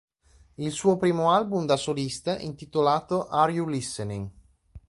Il suo primo album da solista, intitolato "Are You Listening?